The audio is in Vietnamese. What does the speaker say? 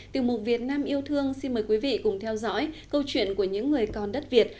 tiểu mục việt nam yêu thương xin mời quý vị cùng theo dõi câu chuyện của những người con đất việt